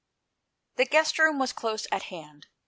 The guest room was close at hand.